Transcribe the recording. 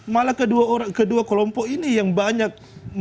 malah kedua kelompok ini yang banyak